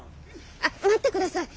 あっ待ってください！